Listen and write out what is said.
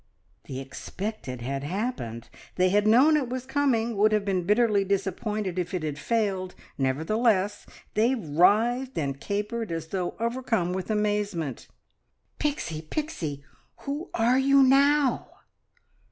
The expected had happened. They had known it was coming; would have been bitterly disappointed if it had failed, nevertheless they writhed and capered as though overcome with amazement. "P ixie, Pixie, Who Are You Now?"